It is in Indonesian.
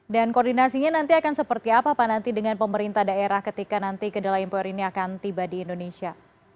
dan koordinasinya nanti akan seperti apa pak nanti dengan pemerintah daerah ketika nanti kedelai impor ini akan tiba di indonesia